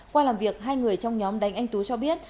qua làm việc hai người trong nhóm đánh anh tú cho biết